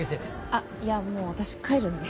あっいやもう私帰るんで。